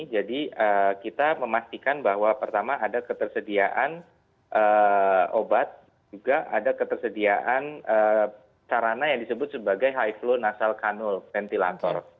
jadi kita memastikan bahwa pertama ada ketersediaan obat juga ada ketersediaan sarana yang disebut sebagai high flow nasal cannul ventilator